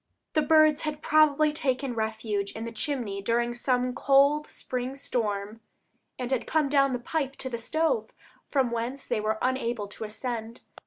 The birds had probably taken refuge in the chimney during some cold spring storm, and had come down the pipe to the stove, from whence they were unable to ascend.